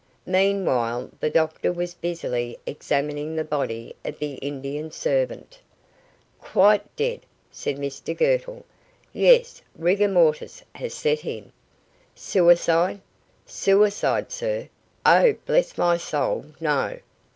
Meanwhile the doctor was busily examining the body of the Indian servant. "Quite dead!" said Mr Girtle. "Yes. Rigor mortis has set in." "Suicide?" "Suicide, sir? Oh, bless my soul, no."